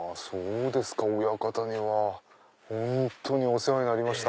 親方に本当お世話になりました。